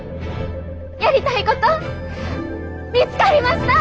やりたいこと見つかりました！